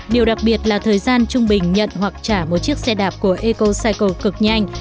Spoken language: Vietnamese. điều đặc biệt là thời gian trung bình nhận hoặc trả một chiếc xe đạp của ecocycle cực nhanh